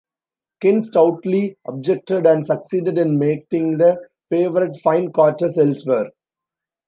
Ken stoutly objected and succeeded in making the favourite find quarters elsewhere.